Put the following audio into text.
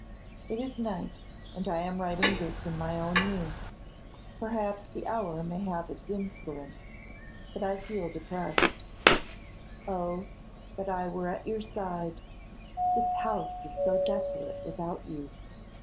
It is night, and I am writing this in my own room. Perhaps the hour may have its influence, but I feel depressed. Oh, that I were at your side! This house is so desolate without you.